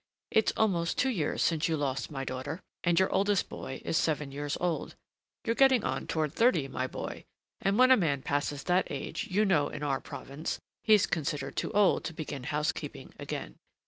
It's almost two years since you lost my daughter, and your oldest boy is seven years old. You're getting on toward thirty, my boy, and when a man passes that age, you know, in our province, he's considered too old to begin housekeeping again.